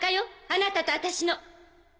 あなたと私の。